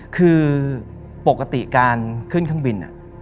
คือปกติการขึ้นเครื่องบิน